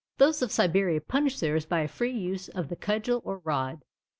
Those of Siberia punish theirs by a free use of the cudgel or rod.